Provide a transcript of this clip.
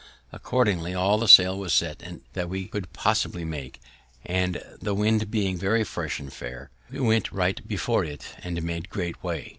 Accordingly, all the sail was set that we could possibly make, and the wind being very fresh and fair, we went right before it, and made great way.